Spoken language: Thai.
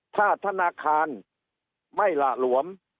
ถ้าธนาคารไม่หละหลวม